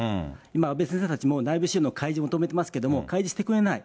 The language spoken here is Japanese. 今、阿部先生たちも内部資料の開示を求めていますけれども、開示してくれない。